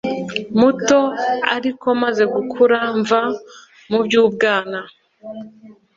muto Ariko maze gukura mva mu by ubwana